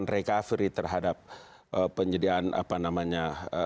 recovery terhadap penyediaan apa namanya